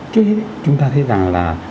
trước hết chúng ta thấy rằng là